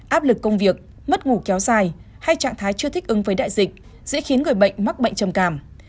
áp lực công việc mất ngủ kéo dài hay trạng thái chưa thích ứng với đại dịch dễ khiến người bệnh mắc bệnh trầm cảm